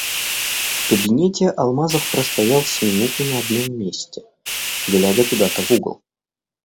В кабинете Алмазов простоял с минуту на одном месте, глядя куда-то в угол.